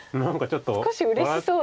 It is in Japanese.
少しうれしそうな。